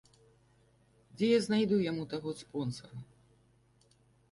Дзе я знайду яму таго спонсара?